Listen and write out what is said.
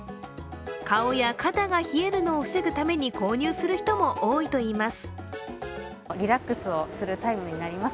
顔や肩が冷えるのを防ぐために、購入する人も多いといいます。